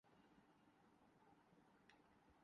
اس کے گھر والے آجکل واہ کینٹ میں